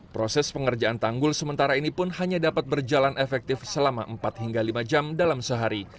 proses pengerjaan tanggul sementara ini pun hanya dapat berjalan efektif selama empat hingga lima jam dalam sehari